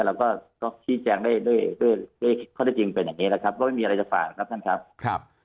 เราก็ชี้แจงได้ด้วยด้วยข้อได้จริงเป็นอย่างนี้นะครับก็ไม่มีอะไรจะฝากนะครับท่านครับ